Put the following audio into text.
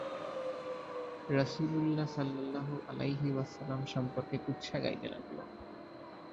রাসূলুল্লাহ সাল্লাল্লাহু আলাইহি ওয়াসাল্লাম সম্পকে কুৎসা গাইতে লাগল।